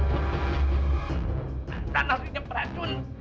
dan nasinya beracun